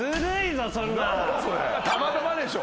たまたまでしょ。